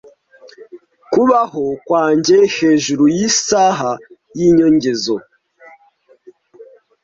kubaho kwanjye hejuru yisaha y’inyongezo